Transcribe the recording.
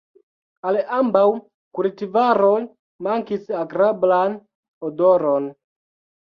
Al ambaŭ kultivaroj mankis agrablan odoron.